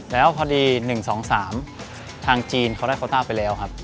แล้วพอดี๑๒๓ทางจีนเขาได้โคต้าไปแล้วครับ